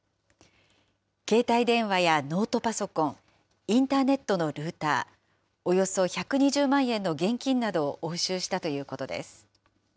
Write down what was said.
携帯電話やノートパソコン、インターネットのルーター、およそ１２０万円の現金などを押収したということです。